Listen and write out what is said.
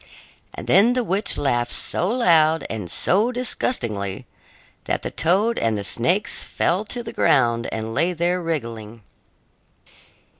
And then the witch laughed so loud and so disgustingly that the toad and the snakes fell to the ground and lay there wriggling.